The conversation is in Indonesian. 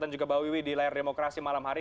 dan juga pak wiwi di layar demokrasi malam hari